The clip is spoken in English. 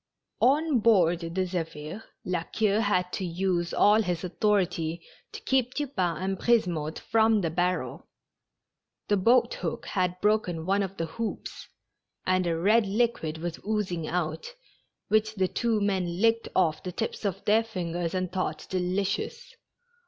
On board the Zephir^ La Queue had to use all his authority to keep Tupain and Brisemotte from the barrel. The boat hook had broken one of the hoops, and a red liquid was oozing out, which the two men licked off the tips of their fingers and thought delicious.